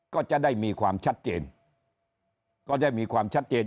ก็จะได้มีความชัดเจนก็ได้มีความชัดเจน